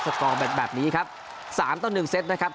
สกรอแบบนี้ครับ๓๑เซตนะครับ